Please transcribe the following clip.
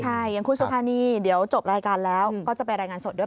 ใช่อย่างคุณสุภานีเดี๋ยวจบรายการแล้วก็จะไปรายงานสดด้วย